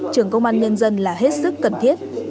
trường công an nhân dân là hết sức cần thiết